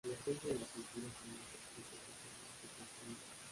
La esencia de la cultura son los objetos socialmente construidos.